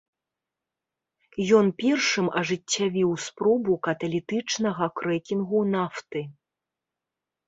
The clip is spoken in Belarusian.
Ён першым ажыццявіў спробу каталітычнага крэкінгу нафты.